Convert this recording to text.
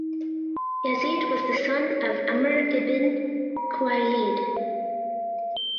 Yazid was the son of Amr ibn Khuwaylid.